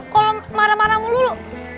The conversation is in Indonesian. kalau marah marah mulu